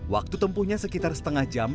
waktu tempuhnya sekitar setengah jam